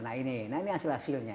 nah ini hasil hasilnya